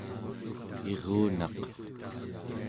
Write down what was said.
irunaq